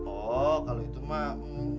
oh kalau itu mak